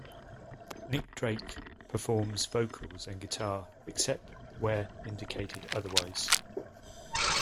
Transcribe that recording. Nick Drake performs vocals and guitar, except where indicated otherwise.